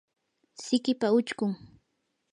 sikipa uchkun